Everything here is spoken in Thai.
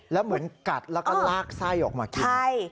แล้วเหมือนกัดแล้วก็ลากไส้ออกมากิน